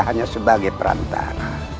hanya sebagai perantara